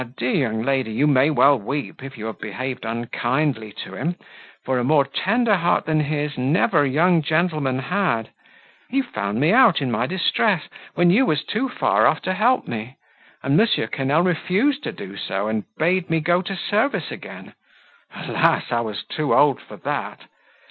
dear young lady, you may well weep, if you have behaved unkindly to him, for a more tender heart than his never young gentleman had. He found me out in my distress, when you were too far off to help me; and M. Quesnel refused to do so, and bade me go to service again—Alas! I was too old for that!